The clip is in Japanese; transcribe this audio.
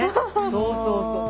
そうそうそう。